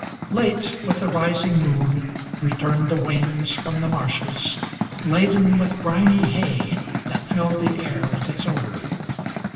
Late, with the rising moon, returned the wains from the marshes, Laden with briny hay, that filled the air with its odor.